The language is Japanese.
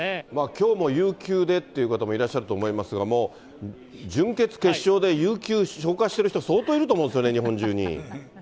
きょうも有休でっていう方もいらっしゃると思いますが、準決、決勝で有休消化してる人、相当いると思うんですよね、日本中に。